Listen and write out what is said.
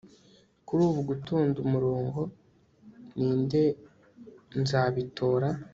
kuri ubu gutonda umurongo, ninde? nzabitora